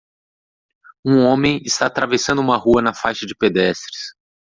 Um homem está atravessando uma rua na faixa de pedestres.